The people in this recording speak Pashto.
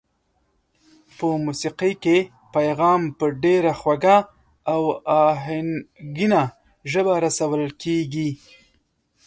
په موسېقۍ کې پیغام په ډېره خوږه او آهنګینه ژبه رسول کېږي.